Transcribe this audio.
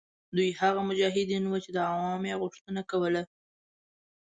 دوی هغه مجاهدین وه چې عوامو یې غوښتنه کوله.